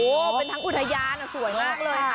โอ้โหเป็นทั้งอุทยานสวยมากเลยค่ะ